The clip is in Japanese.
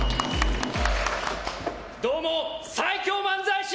どうも、最強漫才師。